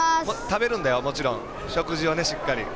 食べるんだよ、もちろん食事もしっかり。